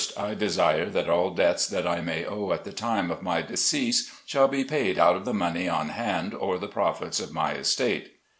I desire that all debts that I may owe at the time of my decease, shall be paid out of the money on hand or the profits of my estate.